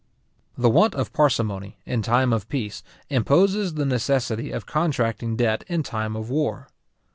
The want of parsimony, in time of peace, imposes the necessity of contracting debt in time of war.